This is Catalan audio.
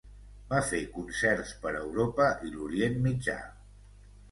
Va fer concerts per Europa i l'Orient Mitjà.